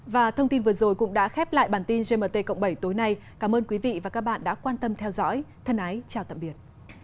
và thông tin vừa rồi cũng đã khép lại bản tin gmt cộng bảy tối nay cảm ơn quý vị và các bạn đã quan tâm theo dõi thân ái chào tạm biệt